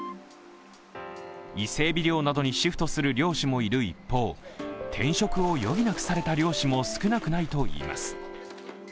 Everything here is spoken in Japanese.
伊勢えび漁などにシフトする漁師もいる一方、転職を余儀なくされた漁師も少なくないといいます。